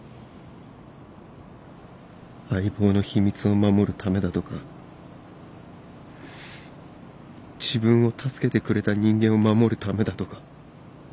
相棒の秘密を守るためだとか自分を助けてくれた人間を守るためだとか。